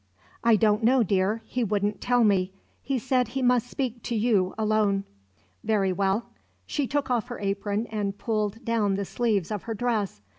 "I don't know, dear. He wouldn't tell me. He said he must speak to you alone." "Very well." She took off her apron and pulled down the sleeves of her dress.